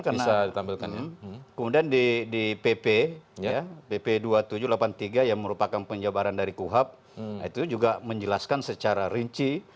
kemudian di pp dua ribu tujuh ratus delapan puluh tiga yang merupakan penjabaran dari kuhap itu juga menjelaskan secara rinci